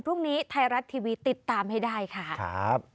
พรุ่งนี้ไทยรัฐทีวีติดตามให้ได้ค่ะครับ